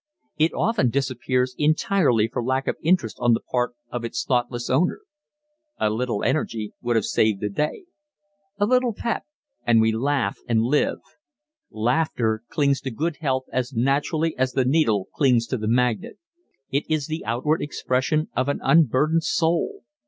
It often disappears entirely for lack of interest on the part of its thoughtless owner. A little energy would have saved the day. A little "pep" and we laugh and live. Laughter clings to good health as naturally as the needle clings to the magnet. It is the outward expression of an unburdened soul.